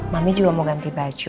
mami juga mau ganti baju